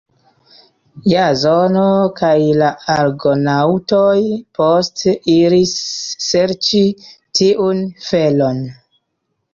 Jazono kaj la Argonaŭtoj poste iris serĉi tiun felon.